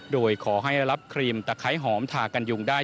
โดยขอให้ได้รับครีมตะไคร้หอมทากันยุงได้